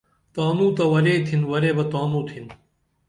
تانوں تہ ورے تِھن ورے بہ تانوں تِھن